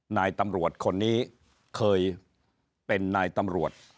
นายตำรวจคนนี้เคยเป็นนายตำรวจ